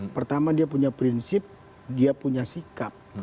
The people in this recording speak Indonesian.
pertama dia punya prinsip dia punya sikap